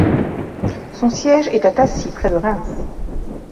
Son siège est à Taissy près de Reims.